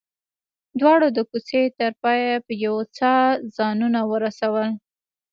دواړو د کوڅې تر پايه په يوه ساه ځانونه ورسول.